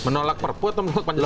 menolak perpu atau menolak pancasila